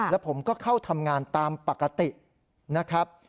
แล้วผมก็เข้าทำงานตามปกตินะครับ